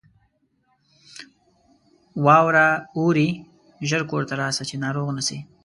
واوره اوري ! ژر کورته راسه ، چې ناروغ نه سې.